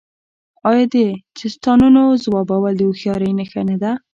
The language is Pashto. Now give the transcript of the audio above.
آیا د چیستانونو ځوابول د هوښیارۍ نښه نه ده؟